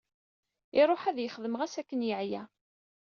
Iruḥ ad yexdem ɣas akken yeɛya.